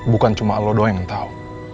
bukan cuma lo doang yang tau